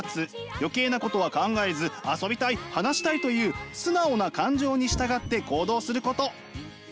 余計なことは考えず遊びたい話したいという素直な感情に従って行動すること。